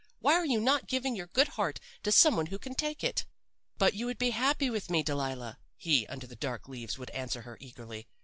Why are you not giving your good heart to some one who can take it?' "'But you would be happy with me, Delilah,' he under the dark leaves would answer her eagerly.